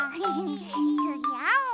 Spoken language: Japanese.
つぎあお！